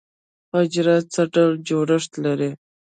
حجره څه ډول جوړښت لري؟